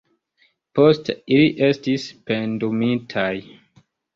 Poste ili estis pendumitaj.